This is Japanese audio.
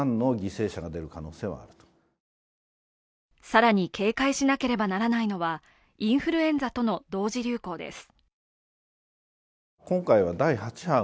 更に警戒しなければならないのは、インフルエンザとの同時流行です。